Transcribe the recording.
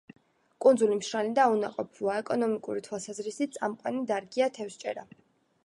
კუნძული მშრალი და უნაყოფოა; ეკონომიკური თვალსაზრისით წამყვანი დარგია თევზჭერა.